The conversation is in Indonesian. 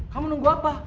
kamu nunggu apa